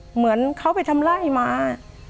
เหมือนเขาไปทำไล่มา